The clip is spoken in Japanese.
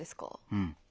うん。